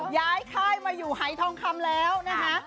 ย้ายค่ายมาอยู่หายทองคำแล้วนะคะ